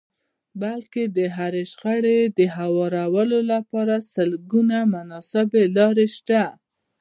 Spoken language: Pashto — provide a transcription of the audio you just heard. بلکې د هرې شخړې د هوارولو لپاره سلګونه مناسبې لارې شته.